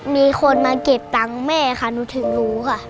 มีคนมาเก็บตังค์แม่ค่ะหนูถึงรู้ค่ะ